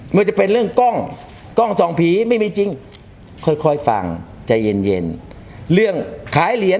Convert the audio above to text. ว่าจะเป็นเรื่องกล้องกล้องส่องผีไม่มีจริงค่อยฟังใจเย็นเรื่องขายเหรียญ